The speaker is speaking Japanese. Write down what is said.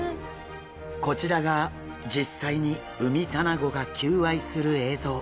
こちらが実際にウミタナゴが求愛する映像。